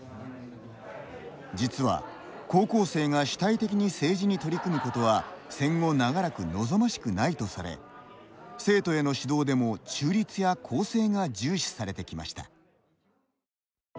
実は、高校生が主体的に政治に取り組むことは戦後長らく望ましくないとされ生徒への指導でも中立や公正が重視されてきました。